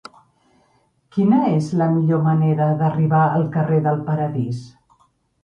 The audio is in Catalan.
Quina és la millor manera d'arribar al carrer del Paradís?